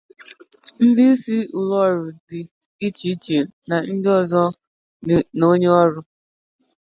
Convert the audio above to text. ndị isi ụlọọrụ dị icheiche na ndị ọzọ na-enye ọrụ